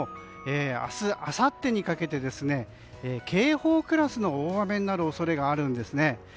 明日あさってにかけて警報クラスの大雨になる可能性があるんですね。